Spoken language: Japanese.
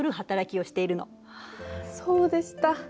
そうでした。